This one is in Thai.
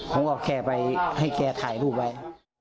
ผมก็แคลร์ไปให้แคลร์ถ่ายรูปไว้